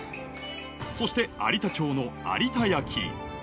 そして有田町の有田焼。